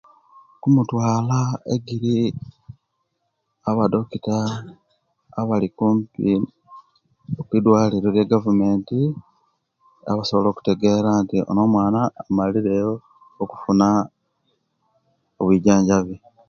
Kumutwala ejiri abadoctor abali kumpi kudwaliro rye'gavumenti abasobola okutegera nti Ono'mwana amalireyo okufuna obwijanjanjabi